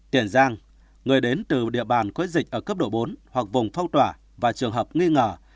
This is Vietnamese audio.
tiền giang người đến từ địa bàn có dịch ở cấp độ bốn hoặc vùng phong tỏa và trường hợp nghi ngờ